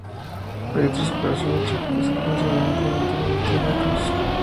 Hay otras operaciones lógicas que se conseguían implementar mediante macros.